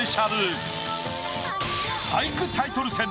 俳句タイトル戦